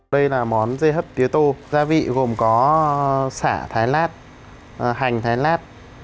đây là món dê hấp tiếu tô gia vị gồm có sả thái lát hành thái lát